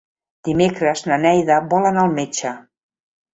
Dimecres na Neida vol anar al metge.